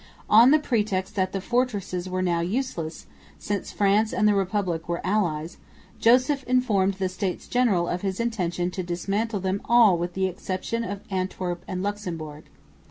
On the pretext that the fortresses were now useless, since France and the Republic were allies, Joseph informed the States General of his intention to dismantle them all with the exception of Antwerp and Luxemburg.